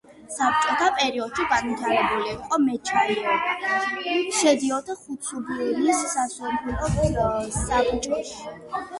საბჭოთა პერიოდში განვითარებული იყო მეჩაიეობა, შედიოდა ხუცუბნის სასოფლო საბჭოში.